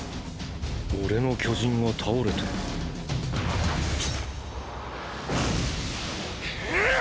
俺の巨人が倒れてーーくっ！！